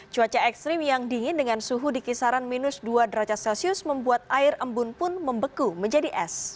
cuaca ekstrim yang dingin dengan suhu di kisaran minus dua derajat celcius membuat air embun pun membeku menjadi es